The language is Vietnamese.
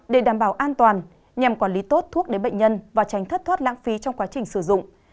để đảm bảo an toàn nhằm quản lý tốt thuốc đến bệnh nhân và tránh thất thoát lãng phí trong quá trình sử dụng